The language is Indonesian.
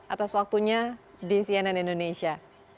atas waktunya di cnn indonesia